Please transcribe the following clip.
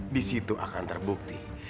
disitu akan terbukti